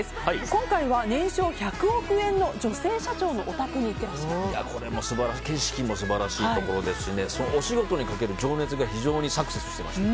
今回は年商１００億円の女性社長のお宅に景色も素晴らしいところでお仕事にかける情熱が非常にサクセスしていました。